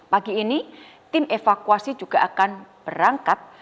pagi ini tim evakuasi juga akan berangkat